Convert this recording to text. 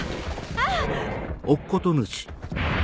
あっ！